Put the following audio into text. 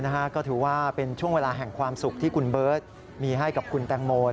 ก็ถือว่าเป็นช่วงเวลาแห่งความสุขที่คุณเบิร์ตมีให้กับคุณแตงโม